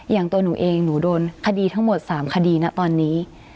อย่างตัวหนูเองหนูโดนคดีทั้งหมด๓คดีนะตอนนี้